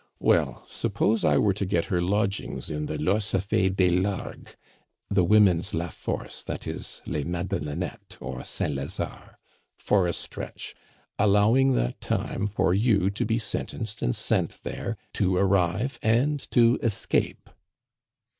"Well, suppose I were to get her lodgings in the Lorcefe des Largues" (the women's La Force, i. e. les Madelonnettes or Saint Lazare) "for a stretch, allowing that time for you to be sentenced and sent there, to arrive and to escape?"